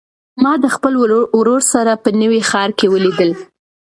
ما د خپل ورور سره په نوي ښار کې ولیدل.